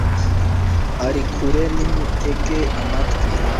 ari kure nimutege amatwi